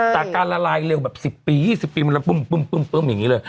แต่การละลายเร็วแบบ๑๐ปี๒๐ปีมันละปึ้มอย่างนี้เลย